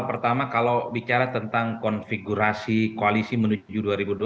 pertama kalau bicara tentang konfigurasi koalisi menuju dua ribu dua puluh